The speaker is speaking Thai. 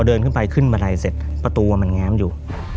เดินขึ้นไปขึ้นบันไดเสร็จประตูมันแง้มอยู่